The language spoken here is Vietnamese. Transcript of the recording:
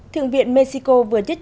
thượng viện mexico vừa chất trị